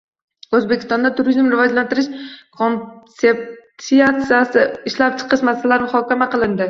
O‘zbekistonda turizmni rivojlantirish konsepsiyasini ishlab chiqish masalalari muhokama qilindi